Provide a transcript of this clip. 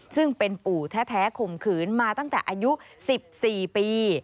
ซึ่งเป็นปู่แท้ข่มขืนมาตั้งแต่อายุ๑๔ปี